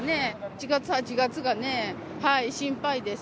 ７月、８月がね、心配です。